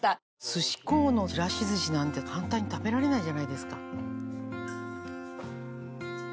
寿司幸のちらし寿司なんて簡単に食べられないじゃないですか。